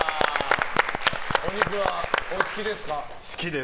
お肉はお好きですか？